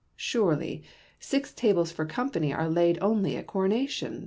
Surely, six tables for company are laid only at coronations.